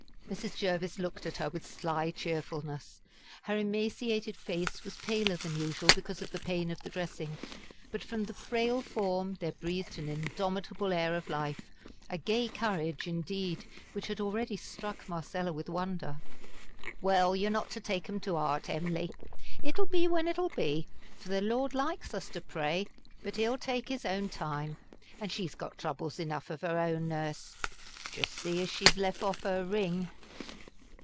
Mrs. Jervis looked at her with a sly cheerfulness. Her emaciated face was paler than usual because of the pain of the dressing, but from the frail form there breathed an indomitable air of life, a gay courage indeed which had already struck Marcella with wonder. "Well, yer not to take 'em to heart, Em'ly. It ull be when it will be for the Lord likes us to pray, but He'll take his own time an' she's got troubles enough of her own, Nurse. D'yer see as she's leff off her ring?"